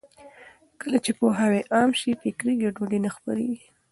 کله چې پوهاوی عام شي، فکري ګډوډي نه خپرېږي.